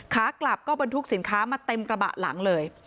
ขากลับก็บรรทุกสินค้ามาเต็มกระบะหลังเลย